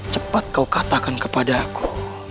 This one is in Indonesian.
cepat kau katakan kepada aku